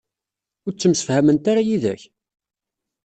Ur ttemsefhament ara yid-k?